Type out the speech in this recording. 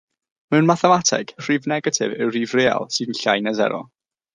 Mewn mathemateg, rhif negatif yw rhif real sy'n llai na sero.